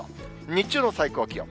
日中の最高気温。